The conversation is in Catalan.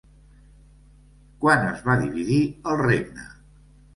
Quan es va dividir el regne?